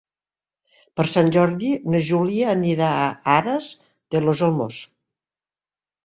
Per Sant Jordi na Júlia anirà a Aras de los Olmos.